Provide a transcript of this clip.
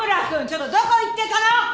ちょっとどこ行ってたの！？